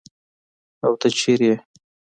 او ته چیرته ئي ؟